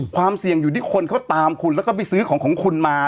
ความเสี่ยงอยู่ที่คนเขาตามคุณแล้วก็ไปซื้อของของคุณมา